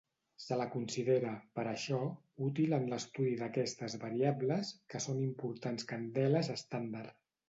Se la considera, per això, útil en l'estudi d'aquestes variables, que són importants candeles estàndard.